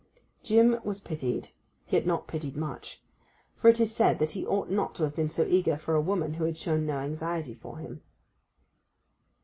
Jim was pitied, yet not pitied much, for it was said that he ought not to have been so eager for a woman who had shown no anxiety for him.